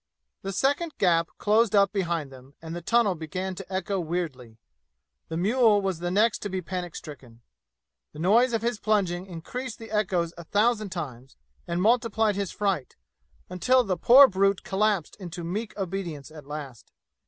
The second gap closed up behind them and the tunnel began to echo weirdly. The mule was the next to be panic stricken. The noise of his plunging increased the echoes a thousand times and multiplied his fright, until the poor brute collapsed into meek obedience at last.